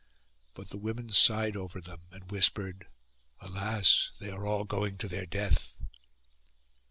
But the women sighed over them, and whispered, 'Alas! they are all going to their death!